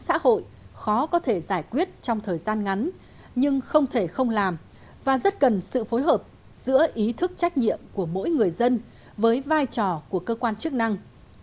xã hội khó có thể giải quyết trong thời gian ngắn nhưng không thể không làm và rất cần sự phối hợp giữa ý thức trách nhiệm của mỗi người dân với vai trò của cơ quan chức năng